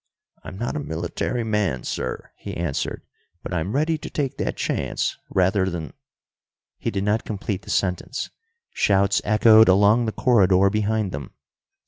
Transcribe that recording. "I'm not a military man, sir," he answered, "but I'm ready to take that chance rather than " He did not complete the sentence. Shouts echoed along the corridor behind them.